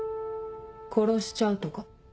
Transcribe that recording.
殺しちゃうとか？